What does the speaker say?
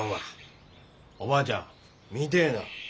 おばあちゃん見てえな。